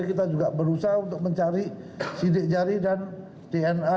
kita juga berusaha untuk mencari sidik jari dan dna